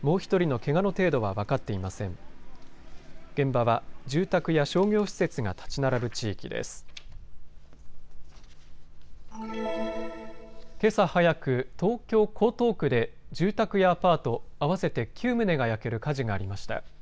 けさ早く、東京江東区で住宅やアパート合わせて９棟が焼ける火事がありました。